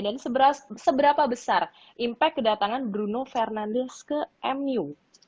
dan seberapa besar impact kedatangan bruno fernandes ke mu